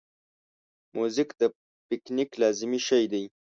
ترموز د پکنیک لازمي شی دی.